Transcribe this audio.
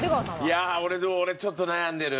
いやあ俺ちょっと悩んでる。